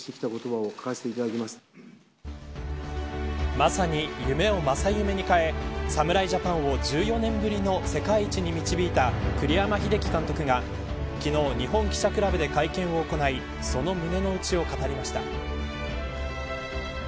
まさに、夢を正夢に変え侍ジャパンを１４年ぶりの世界一に導いた栗山英樹監督が昨日、日本記者クラブで会見を行いその胸のうちを語りました。